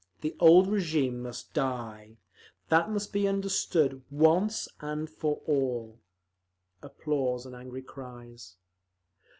The old régime must die; that must be understood once and for all…." Applause and angry cries.